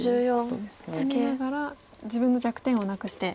攻めながら自分の弱点をなくして。